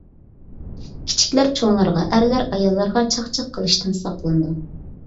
كىچىكلەر چوڭلارغا، ئەرلەر ئاياللارغا چاقچاق قىلىشتىن ساقلىنىدۇ.